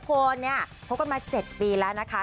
คนเนี่ยคบกันมา๗ปีแล้วนะคะ